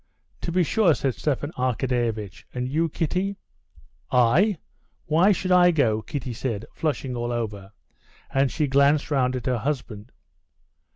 "To be sure," said Stepan Arkadyevitch. "And you, Kitty?" "I? Why should I go?" Kitty said, flushing all over, and she glanced round at her husband.